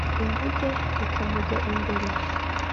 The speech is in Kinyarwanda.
ingug íkamujy imbere